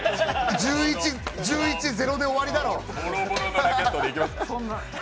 １１−０で終わりだろ。